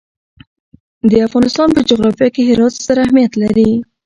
د افغانستان په جغرافیه کې هرات ستر اهمیت لري.